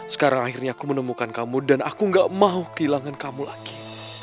sekarang akhirnya aku menemukan kamu dan aku gak mau kehilangan kamu lagi